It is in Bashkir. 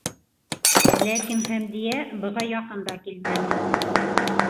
Ләкин Хәмдиә быға яҡын да килмәне: